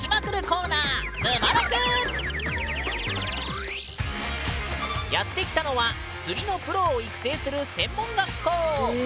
コーナーやって来たのは釣りのプロを育成する専門学校。